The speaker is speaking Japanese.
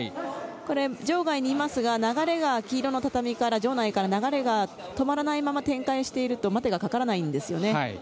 場外にいますが黄色の畳場内から流れが止まらないまま止まらないまま展開していると待てがかからないんですね。